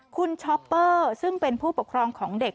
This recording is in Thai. คุณช้อปเปอร์ซึ่งเป็นผู้ปกครองของเด็ก